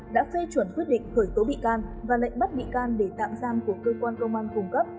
đã phê chuẩn quyết định khởi tố bị can và lệnh bắt bị can để tạm giam của cơ quan công an cung cấp